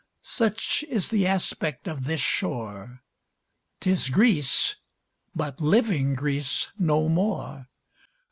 Such is the aspect of this shore; 'Tis Greece, but living Greece no more!